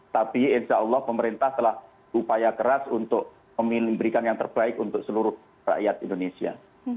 tapi insya allah pemerintah telah berupaya keras untuk memberikan yang terbaik untuk seluruh rakyat indonesia